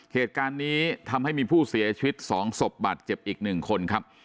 เหตุการณ์นี้ทำให้มีผู้เสียชีวิต๒ศพบาดเจ็บอีก๑คนครับ